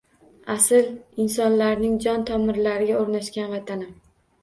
Asl insonlarning jon tomirlariga oʻrnashgan vatanim!